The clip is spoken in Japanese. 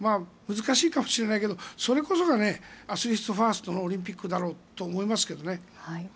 難しいかもしれないけどそれこそがアスリートファーストのオリンピックだろうと思いますけどね。